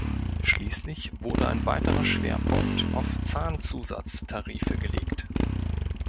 Schließlich wurde ein weiterer Schwerpunkt auf Zahnzusatz-Tarife gelegt.